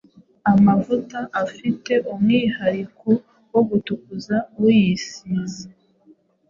amavuta afite umwihariko wo gutukuza uyisize